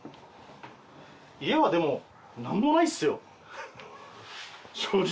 家はでも何もないっすよ正直。